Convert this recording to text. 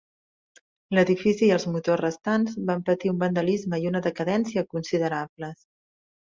L'edifici i els motors restants van patir un vandalisme i una decadència considerables.